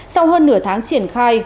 sau hơn nửa tháng triển khai